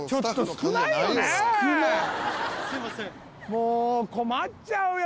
もう困っちゃうよ。